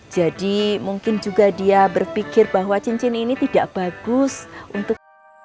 jadi mungkin juga dia berpikir bahwa cincin ini tidak bagus untuk